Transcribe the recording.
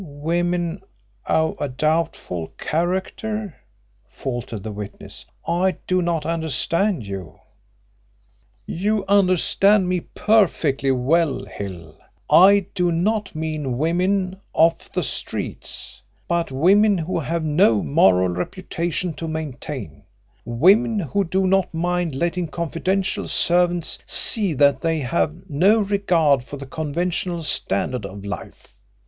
"Women of doubtful character?" faltered the witness. "I do not understand you." "You understand me perfectly well, Hill. I do not mean women off the streets, but women who have no moral reputation to maintain women who do not mind letting confidential servants see that they have no regard for the conventional standards of life.